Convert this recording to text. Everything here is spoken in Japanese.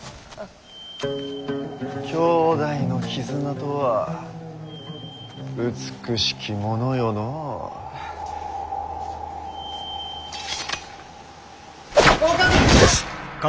兄妹の絆とは美しきものよのう。お勝！